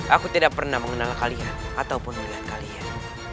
aku tidak pernah mengenal kalian ataupun melihat kalian